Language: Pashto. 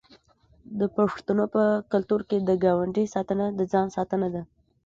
د پښتنو په کلتور کې د ګاونډي ساتنه د ځان ساتنه ده.